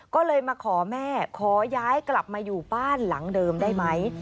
ก็เลยมาขอแม่ขอย้ายกลับมาอยู่บ้านหลังเดิมได้ไหม